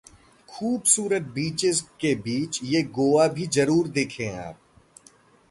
खूबसूरत Beaches के बीच ये गोवा भी जरूर देखें आप...